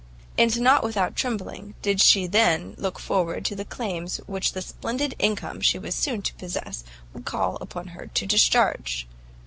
And not without trembling did she then look forward to the claims which the splendid income she was soon to possess would call upon her to discharge.